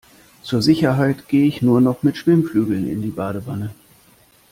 Zur Sicherheit gehe ich nur noch mit Schwimmflügeln in die Badewanne.